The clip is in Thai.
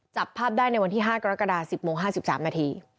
จับภาพได้ในวันที่๕กรกฎา๑๐โมง๕๓นาที